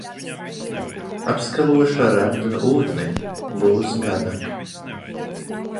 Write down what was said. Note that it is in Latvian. Apskalošu ar remdenu ūdeni, būs gana.